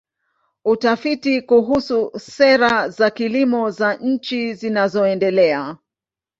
Utafiti kuhusu sera za kilimo za nchi zinazoendelea.